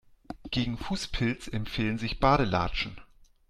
Gegen Fußpilz empfehlen sich Badelatschen.